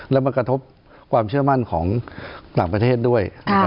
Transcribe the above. แล้วมันกระทบความเชื่อมั่นของต่างประเทศด้วย